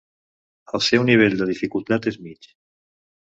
El seu nivell de dificultat és mig.